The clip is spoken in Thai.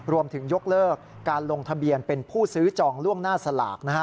ยกเลิกการลงทะเบียนเป็นผู้ซื้อจองล่วงหน้าสลาก